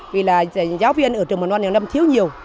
vì là giáo viên ở trường mầm non nhiều năm thiếu nhiều